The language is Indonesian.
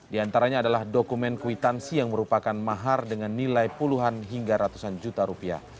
di antaranya adalah dokumen kwitansi yang merupakan mahar dengan nilai puluhan hingga ratusan juta rupiah